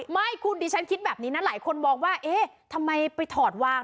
ไม่คุณดิฉันคิดแบบนี้นะหลายคนมองว่าเอ๊ะทำไมไปถอดวาง